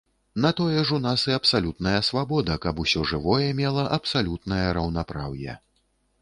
На тое ж у нас і абсалютная свабода, каб усё жывое мела абсалютнае раўнапраўе.